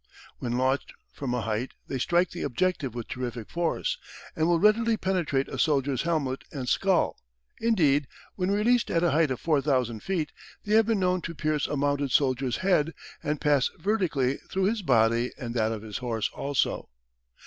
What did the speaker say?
When launched from a height they strike the objective with terrific force, and will readily penetrate a soldier's helmet and skull. Indeed, when released at a height of 4,000 feet they have been known to pierce a mounted soldier's head, and pass vertically through his body and that of his horse also.